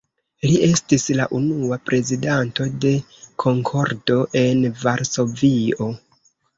Li estis la unua prezidanto de „Konkordo“ en Varsovio.